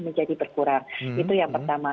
menjadi berkurang itu yang pertama